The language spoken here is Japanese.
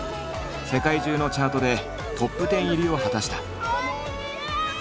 世界中のチャートでトップ１０入りを果たした。